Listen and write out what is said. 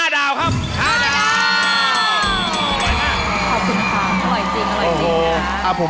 ๕ดาวครับ